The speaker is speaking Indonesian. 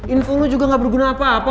info lo juga gak berguna apa apa